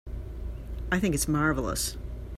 I think it's marvelous.